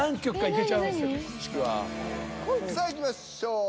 さあいきましょう。